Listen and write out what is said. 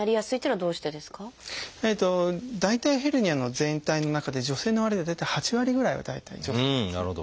大腿ヘルニアの全体の中で女性の割合が大体８割ぐらいは大体女性です。